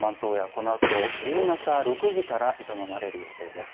このあと夕方６時から営まれる予定です。